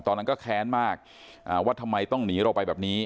ตอนนั้นก็แค้นมากว่าทำไมต้องหนีเราไปแบบนี้